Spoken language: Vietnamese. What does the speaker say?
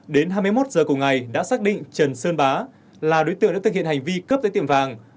đến hai mươi một giờ cùng ngày đã xác định trần sơn bá là đối tượng đã thực hiện hành vi cướp tới tiệm vàng